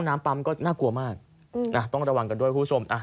น้ำปั๊มก็น่ากลัวมากต้องระวังกันด้วยคุณผู้ชม